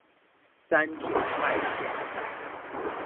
山窮海竭